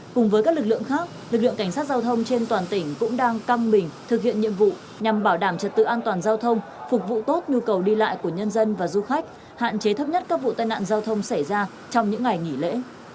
cùng với các lực lượng khác lực lượng cảnh sát giao thông trên toàn tỉnh cũng đang căng mình thực hiện nhiệm vụ nhằm bảo đảm trật tự an toàn giao thông phục vụ tốt nhu cầu đi lại của nhân dân và du khách hạn chế thấp nhất các vụ tai nạn giao thông xảy ra trong những ngày nghỉ lễ